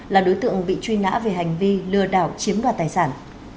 là đối tượng bị truy nã về hành vi lừa đảo chiếm đoạt tài sản